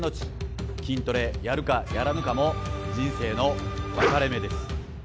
筋トレやるかやらぬかも人生の分かれ目です！